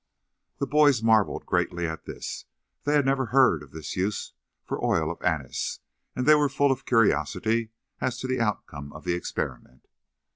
The boys marveled greatly at this. They had never heard of this use for oil of anise, and they were full of curiosity as to the outcome of the experiment.